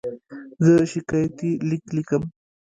زه شکایتي لیک لیکم.